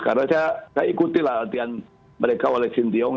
karena saya ikuti latihan mereka oleh sintiung